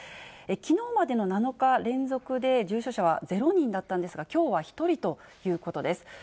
きのうまでの７日連続で重症者は０人だったんですが、きょうは１人ということです。